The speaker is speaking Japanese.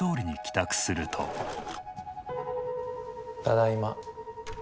ただいま。